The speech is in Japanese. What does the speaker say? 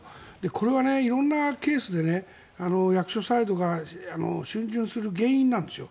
これは色んなケースで役所サイドがしゅん巡する原因なんですよ。